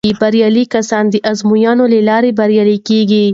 بریالي کسان د ازموینو له لارې بریالي کیږي.